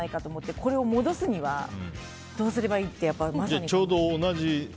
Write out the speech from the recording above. これを戻すためにはどうすればいいってまさに。